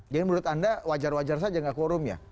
jadi menurut anda wajar wajar saja tidak quorum ya